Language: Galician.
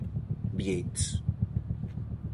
Bieites...